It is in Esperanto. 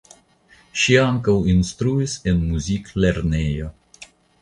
Ŝi ankaŭ instruis en muziklernejo.